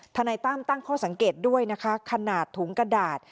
นายตั้มตั้งข้อสังเกตด้วยนะคะขนาดถุงกระดาษ